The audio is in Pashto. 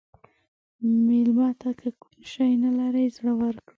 مېلمه ته که کوم شی نه لرې، زړه ورکړه.